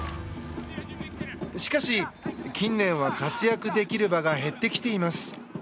しかし、近年は活躍できる場が減ってきています。